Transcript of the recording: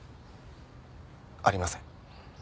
ありません。